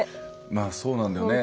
まあそうなんだよね。